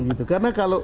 gitu karena kalau